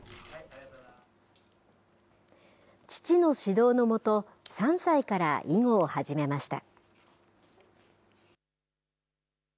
父の指導の下、３歳から囲碁を始めました。